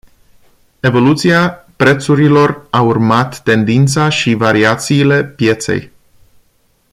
Evoluția prețurilor a urmat tendința și variațiile pieței.